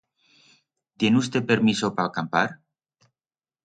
Tien usté permiso pa acampar?